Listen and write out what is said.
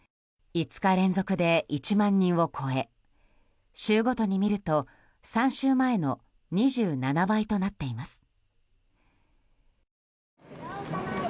５日連続で１万人を超え週ごとに見ると３週前の２７倍となっています。